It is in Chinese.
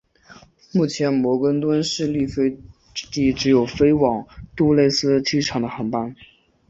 目前摩根敦市立机场只有飞往杜勒斯机场的航班。